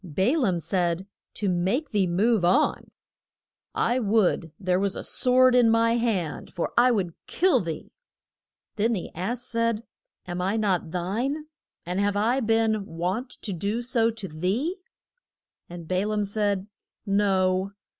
Ba laam said, To make thee move on: I would there were a sword in my hand, for I would kill thee. Then the ass said, Am I not thine? and have I been wont to do so to thee? And Ba laam said, No.